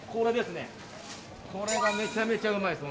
これがめちゃめちゃうまいです。